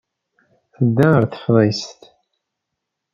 Tedda ɣer teftist.